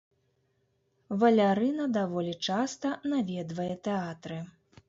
Валярына даволі часта наведвае тэатры.